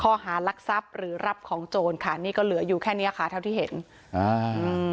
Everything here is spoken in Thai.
รักทรัพย์หรือรับของโจรค่ะนี่ก็เหลืออยู่แค่เนี้ยค่ะเท่าที่เห็นอ่าอืม